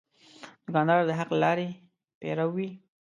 دوکاندار د حق لارې پیرو وي.